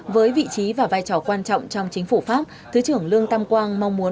với vị trí và vai trò quan trọng trong chính phủ pháp thứ trưởng lương tam quang mong muốn